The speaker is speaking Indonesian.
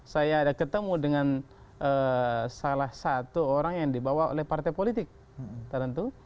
saya ada ketemu dengan salah satu orang yang dibawa oleh partai politik tertentu